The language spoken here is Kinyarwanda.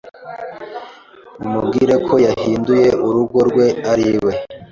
mumubwire ko yahinduye urugo rwe ari we